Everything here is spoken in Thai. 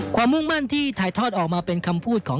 มุ่งมั่นที่ถ่ายทอดออกมาเป็นคำพูดของ